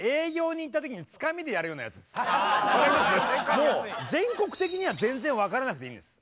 もう全国的には全然分からなくていいんです。